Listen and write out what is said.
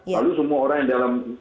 lalu semua orang yang dalam